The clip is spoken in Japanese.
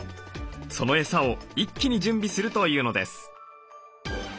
そのエサを一気に準備するというのです。